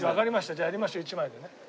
じゃあやりましょう１枚でね。